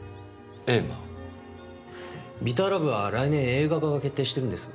『ＢｉｔｔｅｒＬｏｖｅ』は来年映画化が決定してるんです。